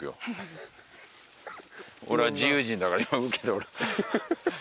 俺は自由人だから。